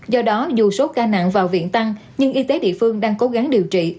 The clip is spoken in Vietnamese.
do đó dù số ca nặng vào viện tăng nhưng y tế địa phương đang cố gắng điều trị